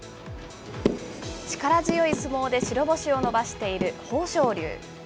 力強い相撲で白星を伸ばしている豊昇龍。